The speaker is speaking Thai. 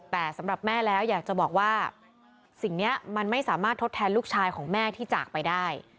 แต่สำหรับแม่แล้วอยากจะบอกว่าสิ่งนี้มันไม่สามารถทดแทนลูกชายของแม่ที่จากไปได้